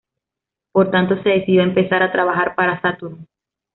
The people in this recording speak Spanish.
Por tanto, se decidió empezar a trabajar para Saturn.